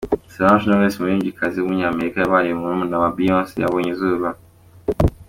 Solange Knowles, umuririmbyikazi w’umunyamerika akaba murumuna wa Beyonce yabonye izuba.